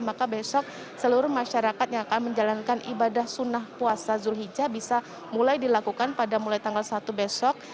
maka besok seluruh masyarakat yang akan menjalankan ibadah sunnah puasa zulhijjah bisa mulai dilakukan pada mulai tanggal satu besok